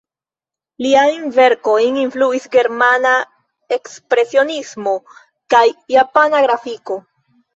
Liajn verkojn influis germana ekspresionismo kaj japana grafiko.